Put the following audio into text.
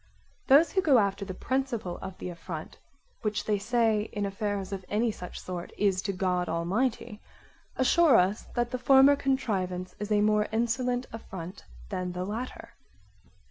Those who go after the principle of the affront, which they say in affairs of any such sort is to God Almighty, assure us that the former contrivance is a more insolent affront than the latter.